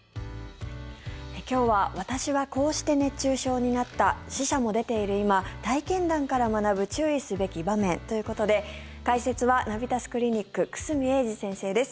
今日は私はこうして熱中症になった死者も出ている今体験談から学ぶ注意すべき場面ということで解説は、ナビタスクリニック久住英二先生です。